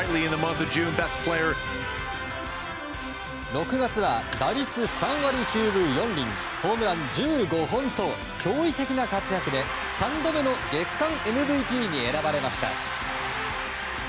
６月は打率３割９分４厘ホームラン１５本と驚異的な活躍で３度目の月間ＭＶＰに選ばれました。